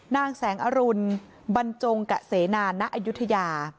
นางแสงอรุณบรรจงกะเสนาณอายุทยา